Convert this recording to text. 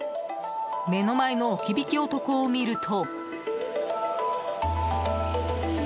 目の前の置き引き男を見ると。